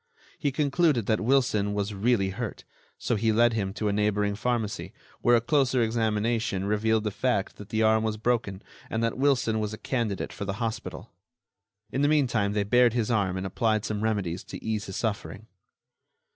He concluded that Wilson was really hurt, so he led him to a neighboring pharmacy, where a closer examination revealed the fact that the arm was broken and that Wilson was a candidate for the hospital. In the meantime they bared his arm and applied some remedies to ease his suffering.